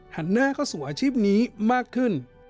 หันหน้าเข้าสู่อาชีพนี้มากขึ้น